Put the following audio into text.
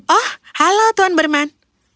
oh halo tuan berman